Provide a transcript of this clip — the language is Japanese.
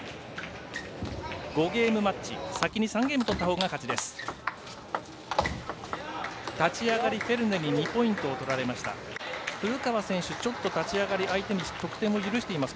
５ゲームマッチ、先に３ゲーム取ったほうが勝ちです。